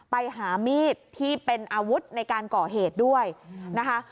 ไปหามีดที่เป็นอาวุธในการก่อเหตุด้วยนะคะ